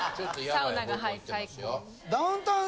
サウナがはい最高です。